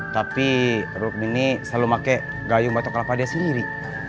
tapi rukmini selalu pakai gayung batok kelapa dia sendiri